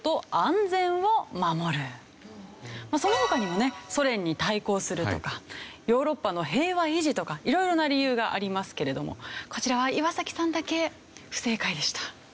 その他にもねソ連に対抗するとかヨーロッパの平和維持とか色々な理由がありますけれどもこちらは岩さんだけ不正解でした。